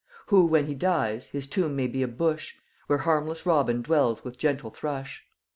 Who when he dies, his tomb may be a bush, Where harmless robin dwells with gentle thrush."